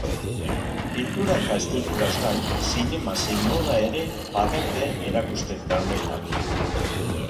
Pintura eta eskulturaz gain, zinema zein moda ere badaude erakusketa honetan.